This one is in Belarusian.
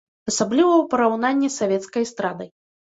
Асабліва ў параўнанні з савецкай эстрадай.